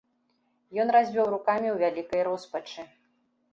Ён развёў рукамі ў вялікай роспачы.